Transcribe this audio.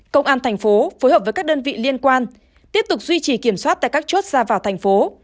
công an thành phố phối hợp với các đơn vị liên quan tiếp tục duy trì kiểm soát tại các chốt ra vào thành phố